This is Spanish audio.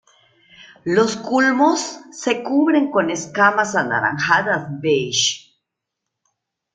Los culmos se cubren con escamas anaranjadas beige.